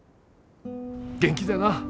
元気でな。